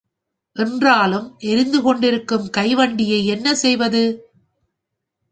என்றாலும், எரிந்து, கொண்டிருக்கும் கை வண்டியை என்ன செய்வது?